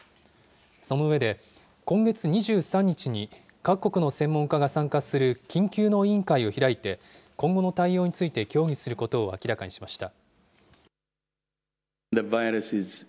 その上で、今月２３日に、各国の専門家が参加する緊急の委員会を開いて、今後の対応について協議することを明らかにしました。